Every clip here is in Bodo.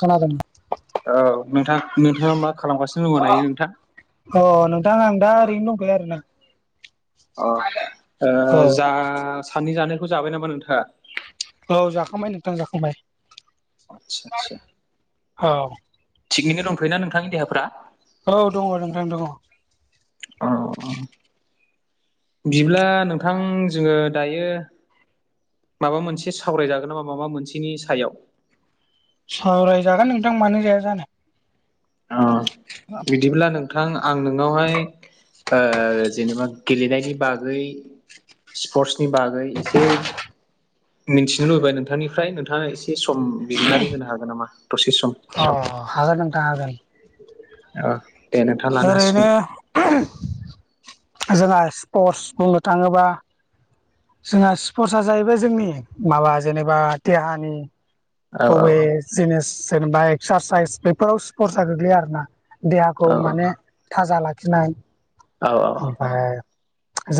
खोनादों [unintelligible] औ नोंथां नोंथाङा मा खालामगासिनो दङ' दायो नोंथां अ नोंथां आं दा ओरैनो दंथ' आरो ना अ ओ औ जा सानैनि जानायखौ जाबाय नामा नोंथाङा औ जाखांबाय नोंथां जाखांबाय आदसा आदसा औ थिगैनो दंथ'यो ना नोंथांनि देहाफ्रा औ दङ नोंथां दङ औ ओ बिदिब्ला नोंथां जोङो दायो माबा मोनसे सावरायजागोन नामा माबा मोनसेनि सायाव सावरायजागोन नोंथां मानो जाया जानो अ बिदिब्ला नोंथां आं नोंनावहाय जेनेबा गेलेनायनि बागै स्पर्टसनि बागै एसे मिन्थिनो लुबैबाय नोंथांनिफ्राय नोंथाङा एसे सम बिजिरनानै होनो हागोन नामा दसे सम अ हागोन नोंथां हागोन अ ओरैनो जोंहा स्पर्टस बुंनो थाङोब्ला जोंहा स्पर्टस जाहैबाय जोंनि माबा जेनेबा देहानि औ औ बबे औ जिनिस जेनेबा एक्सारसाइस बेफोराव स्पर्सा गोग्लैयो आरो ना देहाखौ औ माने थाजा लाखिनाय औ ओमफ्राय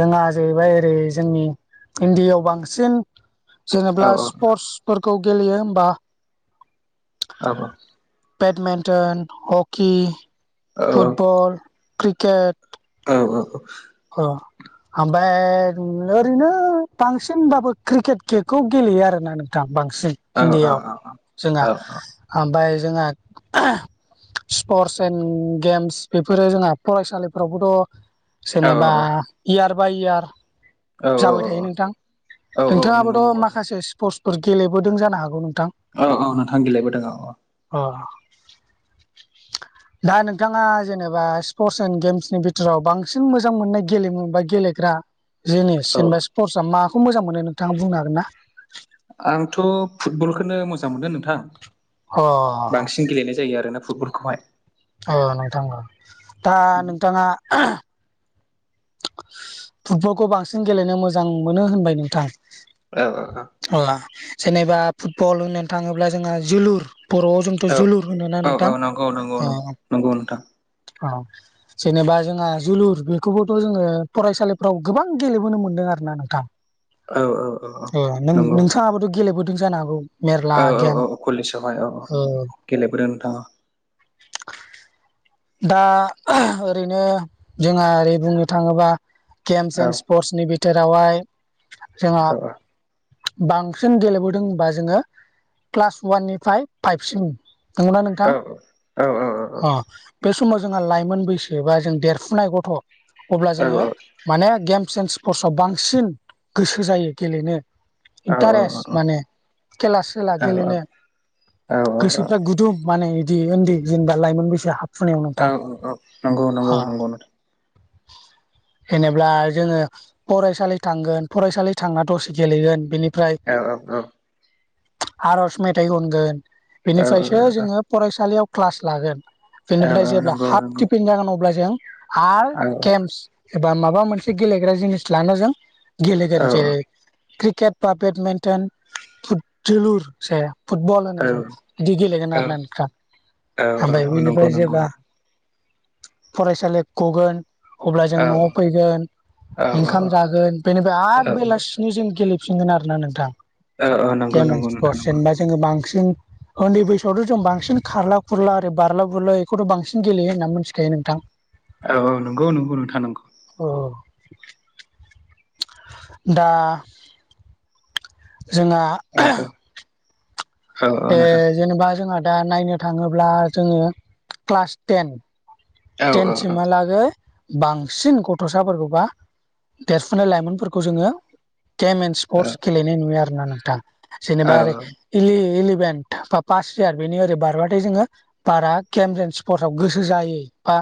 जोंहा जाहैबाय ओरै जोंनि इण्डियायाव बांसिन जेनेबा स्पर्टसफोरखौ गेलेयो होमबा औ बेडमिन्टन हकि फुटबल क्रिकेट औ औ औ औ ओमफ्राय ओरैनो बांसिनबाबो क्रिकेट केखौ गेलेयो आरोना नोंथां बांसिन इण्डियाआव जोंहा ओमफ्राय जोंहा स्पर्टस एन्ड गेम्स बेफोरो जोंहा फरायसालिफोरावबोथ' जेनेबा इयार बाय इयार जाबाय थायो नोंथां औ नंगौ नोंथाङाबोथ' नंगौ माखासे स्पर्टस गेलेबोदों जानो हागौ नोंथां औ औ नोंथां गलायबोदोंङ औ अ दा नोंथाङा जेनेबा स्पर्टस एन्ड गेम्सनि बिथोराव बांसिन बांसिन मोजां मोननाय गेलेमु बा गेलेग्रा जिनिस औ जेनेबा सर्सआ माखौ मोजां मोनो नोंथाङा बुंनो हागोन ना आंथ' फुटबलखौनो मोजां मोनदों नोंथां अ बांसिन गेलेनाय जायो आरोना फुटबलखौहाय औ नोंथां दा नोंथाङा फुटबलखौ बांसिन गेलेनो मोजां मोनो होनबाय नोंथां औ औ औ अ जेनेबा फुटबल होननो थाङोब्ला जोंहा जोलुर बर'आव जोंथ' औ जोलुर होनो ना औ औ नोंथां नंगौ नंगौ नंगौ नंगौ नोंथां औ जेनेबा जोंहा जोलुर बेखौबो ' जोङो फरायसालिफ्राव गोबां गेलेबोनो मोन्दों आरो ना नोंथां औ औ औ औ ओ नंगौ नोंथाङाबोथ' गेलेबोदों जानो हागौ औ मेरला औ गेम औ औ कलेज जहाय औ औ गेलेबोदों नोंथाङा दा ओरैनो जोंहा ओरै बुंनो थाङोबा गेम्स औ एन्ड स्पर्ट्सनि बिथोरावहाय जोंहा औ बांसिन गेलेबोदों होनबा जोङो क्लास वाननिफ्राय फाइभसिन औ औ औ औ औ अ बे समाव जोंहा लाइमोन बैसो बा जों देरफुनाय गथ' अब्ला जोङो माने गेम्स एन्ड स्पर्टसआव बांसिन गोसो जायो गेलेनो औ औ इन्टारेस्ट औ माने खेला सेला औ गेलेनो औ गोसोफ्रा गुदुं माने बिदि उन्दै जेनबा लाइमोन बैसो हाब औ औ औ नंगौ नंगौ नंगौ नोंथां [inaudible] जेनेबाला जोङो फरायसालि थांगोन फरायसालि थांना दसे गेलेगोन बिनि ओमफ्राय औ औ आर'ज मेथाइ खनगोन औ बेनिफ्रायसो जोङो फरायसालियाव क्लास लागोन औ बेनिफ्राय औ जेब्ला नंगौ हाफ नंगौ टिफिन जागोन अब्ला जों आरो औ गेम्स एबा माबा मोनसे गेलेग्रा जिनिस लान जों औ गेलेगोन जेरै क्रिकेट बा बेडमिन्टन जोलुर से फुटबल औ होनो जों बिदि गेलेगोन आरो ना नोंथां ओमफ्राय औ नंगौ बेनिफ्राय नंगौ जेब्ला फरायसालि गगोन अब्ला जों औ औ न'आव औ फैगोन औ ओंखाम जागोन बेनिफ्राय आरो औ बेलासिनि जों गेले हाबफिनगोन आरो ना नोंथां औ नंगौ गे नंगौ नोंथां स्पर्ट नंगौ जेनेबा जोंङो बांसिन उन्दै बैसोआवथ' जों बांसिन खारला खुरला ओरै बारला बुरला बेखौथ' बांसिन गेलेयो होनना मिथिखायो नोंथां औ औ नंगौ नंगौ नोंथां नांगौ औ दा जोंहा अ औ औ औ ए नोंथां जेनेबा जोंहा दा नायनो थांङोब्ला जोंङो क्लास टेन औ औ औ ट्रेनसिहालागै बांसिन गथ'साफोरखौ बा देरफुनाय लाइमोनफोरखौ जोंङो केेम एन् स्पर्टस औ गेलेनाय नुयो आरो ना नोंथां जेनेबा औ औ इभेट बा पास हार बेनि ओरै बारबाथाय जोंङो बारा गेमस एन्ड स्पर्टसआव गोसो जायो बा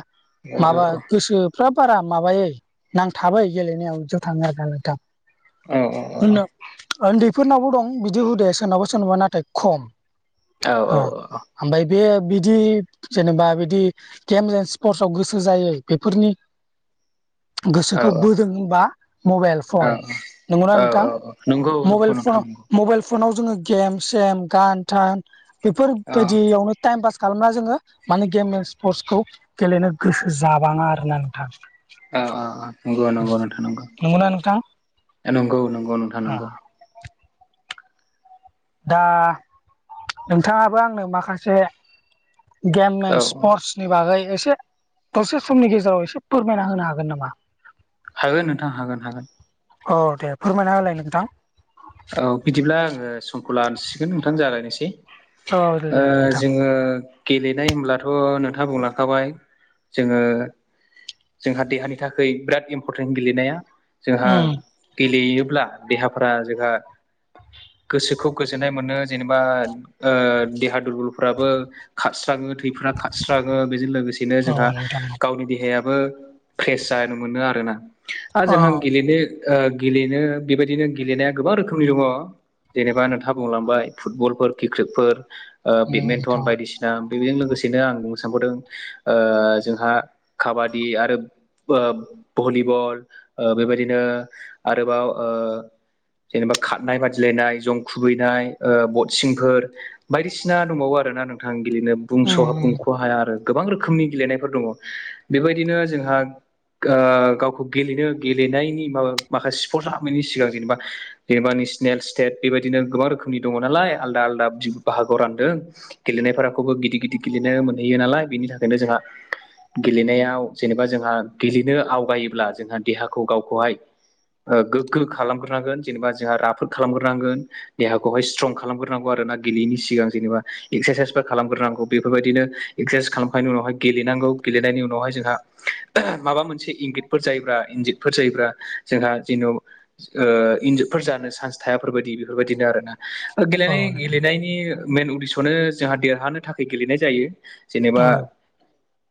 माबा गोसो फाब बारा माबायोै नांथाबाय गेलेनायाव ज' थांङो आरो आदा औ होन उन्दैफोरनावबो दं बिदि हुदाया सोरनावबा सोरनावबा नाथाय खम औ ओ औ औ ओमफ्राय बे बिदि जेनेबा बिदि गेम्स एन्ड स्पर्टसआव गोसो जायो बेफोरनि गोसोखौ औ बोदों होनबा मबाइल फन नंगौना औ औ नोंथां नंगौ नंगौ नोंथां मबाइल फन नंगौ मबाइल फनाव जोंङो गेम सेम गान थान औ बेफोरबायदियावनो टाइम पास खालामना जोङो माने गेम एन्ड स्पर्टसखौ गेलेनो गोसो जाबाङा आरो ना नोंथां औ औ नंगौ नंगौ नोंथां नंगौ नंगौना नोंथां नंगौ नंगौ नोंथां नंगौ दा नोंथांङाबो आंनो माखासे गेम औ एन्ड स्पर्ट्स नि बागै एसे दसे समनि गेजेराव एसे फोरमायना होनो हागोन नामा हागोन नोंथां हागोन हागोन औ दे फोरमायना होलाय नोंथां औ बिदिब्ला आंङो समखौ लानसिगोन नोंथां जालायनोसै औ दे दे नोंथां जोंङो गेलेनाय होनब्लाथ नोंथांङा बुंलांखाबाय जोंङो जोंहा देहानि थाखाय बिराद इम्परटेन्ट गेलेनाया जोंहा उम गेलेयोब्ला देहाफोरा जोंहा गोसोखौ गोजोननाय मोनो जेनेबा देहा दुरबलफ्राबो खारस्राङो थैफोरा खारस्राङो बेजों लोगोसेनो जोंहा औ नोंथां गावनि देहायाबो फ्रेस जानो मोनो आरोना आरो औ जोंहा गेलेनो गेलेनो बेबायदिनो गेलेनाया गोबां रोखोमनि दंङो जेनेबा नोंथांङा बुंलांबाय फुटबलफोर क्रिकेटफोर उम बेदमिन्टन नोंथां बायदिसिना बेजों लोगोसेनो आं बुंनो सानबावदों जोंहा खाबादि आरो भलिबल बेबायदिनो आरोबाव जेनेबा खारनाय बादिलायनाय जं खुबैनाय बक्सिंफोर बायदिसिना दंबावो आरोना नोंथां गेलेनो बुंस उम उम खहाया आरो गोबां रोखोमनि गेलेनायफोर दंङो बेबायदिनो जोंहा गावखौ गेलेनो गेलेनायनि माबा माखासे स्पर्टस आरमनि सिगां जेनेबा जेनेबा नेसनेल स्टेट बेबायदिनो गोबां रोखोमनि दंङो नालाय आलदा आलदा बाहागोआव रानदों गेलेनायखौबो गिदिर गिदिर गेलेनाय मोनहैयो नालाय बेनि थाखायनो जोंहा गेलेनायाव जेनेबा जोंहा गेलेनो आवगायोब्ला जोंहा देहाखौ गावखौहाय गोगो खालामग्रोनांगोन जेनेबा जोंहा राफोद खालामग्रोनांगोन देहाखौहाय स्ट्रं खालामग्रोनांगौ आरो ना गेलेयैनि सिगां जेनेबा एक्सारसाइसफोर खालामग्रोनांगौ बेफोरबायदिनो एक्सारसाइस खालामखांनायनि उनावहाय गेलेनांगौ गेलेनायनि उनावहाय जोंहा माबा मोनसे इंगितफोर जायोब्रा इन्जितफोर जायोब्ला जोंहा जेन इन्जफोर जानो चान्स थायाफोरबायदि बेफोरबायदिनो आरोना औ गेलेनाय गेलेनायनि मेन उदिसखौनो जोंहा देरहानो थाखाय गेलेनाय जायो जेनेबा नोंथां औ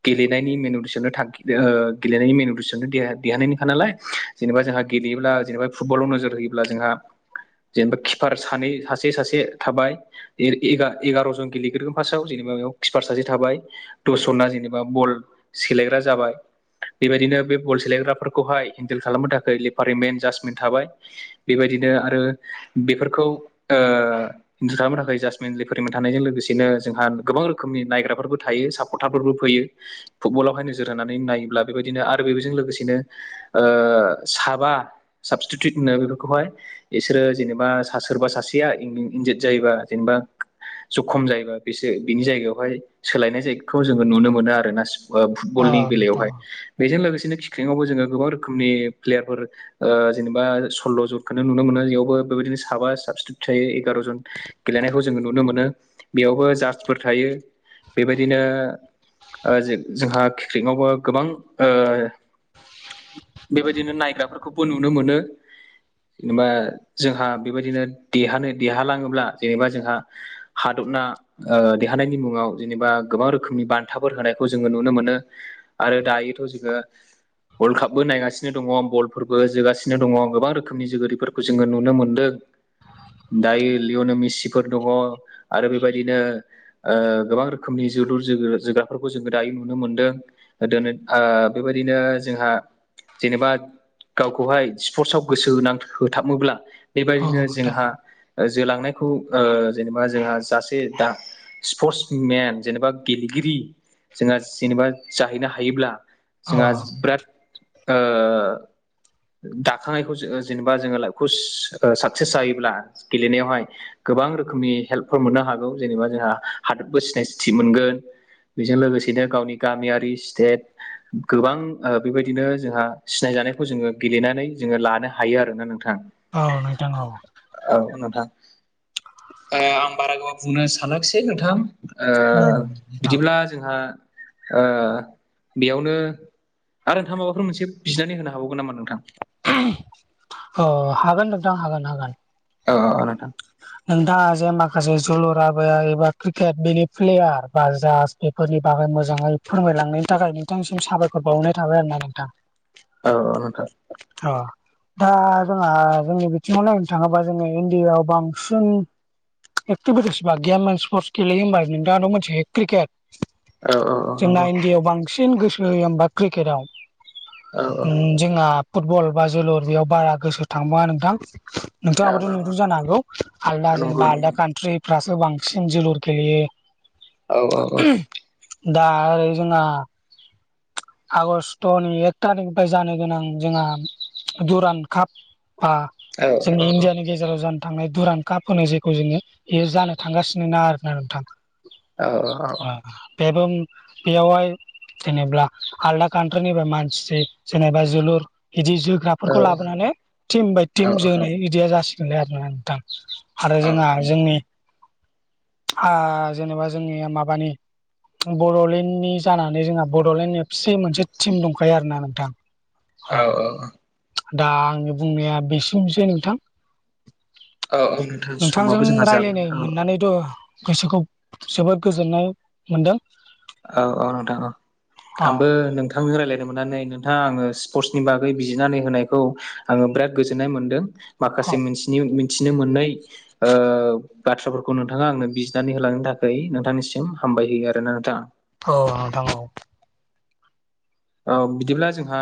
गेलेनायनि मेन उदेसा थांखि गेलेनायनि मेन उदेस देरहा देहानाय निखा नालाय जेनेबा जोंहा गेलेयोब्ला जेनेबा फुटबलाव नोजोर होयोब्ला जोंहा जेनेबा किपार सानै सासे सासे थाबाय एगारजन गेलेग्रोगोन फार्स्टआव जेनेबा बेयाव किपार सासे थाबाय दसजोना जेनेबा बल सेलायग्रा जाबाय बेबायदिनो बे बल सेलायग्राफोरखौहाय हेन्देल खालामनो थाखाय लेपारि मेन जास्टमेन्ट थाबाय बेबायदिनो आरो बेफोरखौ [inaudible] खालामनो थाखाय जासटमिन फोरोंबाय थानायजों लोगोसेनो जोंहा गोबां रोखोमनि नायग्राफोरबो थायो सापर्टारफोरबो फैयो फुटबलावहाय नोजोर होनानै नायोब्ला बेबायदिनो आरो बेजों लोगोसेनो साबा साबस्टिटुट होनो बेफोरखौहाय बिसोरो जेनेबा सा सोरबा सासेया इन्जित जायोबा जेनेबा जखम जायोबा बेसो बिनि जायगायावहाय सोलायनाय जायखौ जोङो नुनो मोनो आरोना फुटबलनि औ नोंथां बेलायावहाय बेजों लोगोसेनो खिख्रङावबो जोङो गोबां रोखोमनि प्लेयारफोर जेनेबा सल्ल' जनखौनो नुनो मोनो यावबो बेबायदिनो साबा साबसतितुथ थायो एगार' जन गेलेनायखौ जोङो नुनो मोनो बेयावबो जस्तसफोर थायो बेबायदिनो जो जोंहा क्रिकेतआवबो गोबां बेबायदिनो नायग्राफोरखौबो नुनो मोनो जेनेबा जोंहा बेबायदिनो देहानो देहालाङोब्ला जेनेबा जोंहा हादबना देरहानायनि मुङाव जेनेबा गोबां रोखोमनि बान्थाफोर होनायखौ जोङो नुनो मोनो। आरो दायोथ' जोङो वर्ल्ड कापबो नायगासिनो दङ बल फोरबो जोगासिनो दङ गोबां रोखोमनि बेफोरखौ जोङो नुनो मोनदों दायोलियावनो मिसिफोर दङ आरो बेबायदिनो गोबां रोखोमनि जोलुर जो जोग्राफोरखौ जोङो दायो नुनो मोनदों दो बेबायदिनो जोंहा जेनेबा गावखौहाय स्पर्टसआव गोसो होनां होथाबोब्ला औ बेबायदिनो नोंथां जोंहा जोलांनायखौ जेनेबा जोंहा जासे दा स्पर्ट्स मेन जेनेबा गेलेगिरि जोंहा जेनेबा जाहैनो हायोब्ला जोंहा औ बिराद ओ दाखांनायखौ जोङो जेनेबा जोङो लाइफखौ साक्सेस जायोब्ला गेलेनायावहाय गोबां रोखोमनि हेल्पफोर मोननो हागौ जेनेबा जोंहा हादोरबो सिनायथि मोनगोन बेजों लोगोसेनो गावनि गामियारि स्टेट गोबां बेबायदिनो जोंहा सिनायजानाय खौ जोङो गेलेनानै जोङो लानो हायो आरोना नोंथां औ नोंथां औ औ नोंथां आं बारा गोबाव बुंनो सानासै नोंथां औ नोंथां बिदिब्ला जोंहा बेयावनो आरो नोंथां माबाफोर मोनसे बिनानै हो हाबावगोन नामा नोंथां अ हागोन नोंथां हागोन हागोन ओ ओ नोंथां नोंथाङा जे माखासे जोलुआबोया [unintelligible] एबा क्रिकेट बेनि प्लेयार बा जा बेफोरनि बागै मोजाङै फोरमायलांनायनि थाखाय नोंथांसिम साबायखर बावनाय थाबाय आरो ना नोंथां औ नोंथां अ दा जोंहा जोंनि बिथिङाव नायनो थाङोबा जोङो इण्डियाव बां सिन एक्टिभिटिस बा गेम एन्ड स्पर्टस गेलेयो होमबा नोंथाङाथ' मोनसे क्रिकेट औ औ औ जोंना नंगौ इण्डियाआव बांसिन गोसो होयो होमबा क्रिकेटआव औ जोंहा फुटबल बा जोलुर बेयाव बारा गोसो थांबा नोंथां औ नोंथाङाबाथ' नुदों जानो हागौ औ आलदा नंगौ जेनेबा आलदा नंगौ कन्ट्रिफ्रासो बांसिन जोलुर गलियो औ औ औ दा ओरै जोंहा आगष्ट'नि एक थारिखनिफ्राय जानो गोनां जोंहा दुरान काप बा जों इण्डियान गे बाव जानो थांनाय दुरानखा फोनाय जायखौ जोङो बेयो जानो थांगासिनो ना आरो ना नोंथां बेबो बेयावहाय जेनेब्ला आलदा कान्ट्रिनि मानसि जेनेबा जोलुर बिदि जोग्रा फोरखौ लाबोनानै टिम बाय टिम जोनाय बिदिया जासिगोनलै आरो ना नोंथां आरो जोंहा जोंनि जेनेबा जोंनिया माबानि बड'लेण्डनि जानानै जोंहा बड'लेण्ड एपसि मोनसे टिम दंखायो आरो ना नोंथां अ औ औ दा आंनि बुंनाया बिसिमसै नोंथां औ नोंथां नोंथांजों समाबो जोंहा जाबाय राय्लायनो औ मोननानै द' गोसोखौ जोबोद गोजोननाय मोनदों औ औ नोंथां औ अ आंबो नोंथां नोंथांजों रायज्लायनो मोननानै नोंथाङा आङो स्पर्टसनि बागै बिजिरनानै होनायखौ आङो बिराद गोजोननाय मोनदों अ माखासे मिथि मिथिनो मोननाय ओ बाथ्राफोरखौ नोंथाङा आंनो बिजिरनानै होलांनो थाखाय नोंथांनिसिम हामबाय होयो आरोना नोंथाङा औ नोंथां औ औ बिदिब्ला जोंहा